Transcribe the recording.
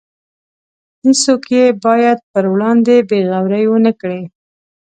هیڅوک یې باید پر وړاندې بې غورۍ ونکړي.